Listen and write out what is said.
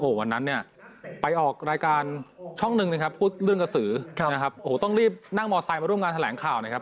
วันนั้นเนี่ยไปออกรายการช่องหนึ่งนะครับพูดเรื่องกระสือนะครับโอ้โหต้องรีบนั่งมอไซค์มาร่วมงานแถลงข่าวนะครับ